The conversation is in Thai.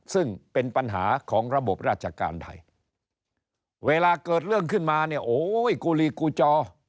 ซึ่งเป็นปัญหาของระบบราชการไทยเวลาเกิดเรื่องขึ้นมาเนี่ยโอ้โหกูลีกูจอ